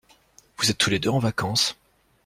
Vous êtes tous les deux en vacances.